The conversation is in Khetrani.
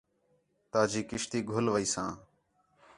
تا جی کشتی گھل ویساں